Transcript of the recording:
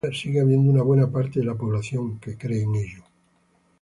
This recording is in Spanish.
Hoy día sigue habiendo una buena parte de la población que cree en ello.